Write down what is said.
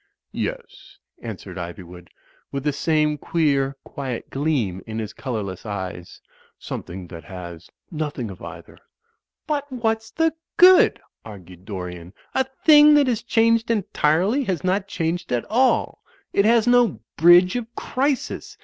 "Yes," answered Ivywood, with the same queer, quiet gleam in his colourless eyes, "something that has nothing of either." "But what's the good?" argued Dorian. "A thing that has changed entirely has not changed at all. It has no bridge of crisis.